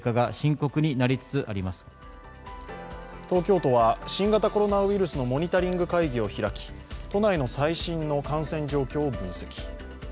東京都は新型コロナウイルスのモニタリング会議を開き都内の最新の感染状況を分析。